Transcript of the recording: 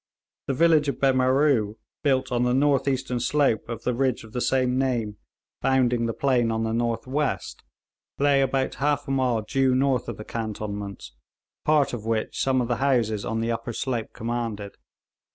The village of Behmaroo, built on the north eastern slope of the ridge of the same name bounding the plain on the north west, lay about half a mile due north of the cantonments, part of which some of the houses on the upper slope commanded.